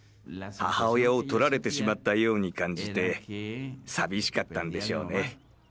母親をとられてしまったように感じて寂しかったんでしょうね。